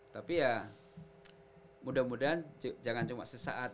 tapi ya mudah mudahan jangan cuma sesaat